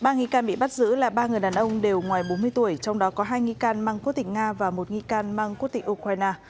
ba nghi can bị bắt giữ là ba người đàn ông đều ngoài bốn mươi tuổi trong đó có hai nghi can mang quốc tịch nga và một nghi can mang quốc tịch ukraine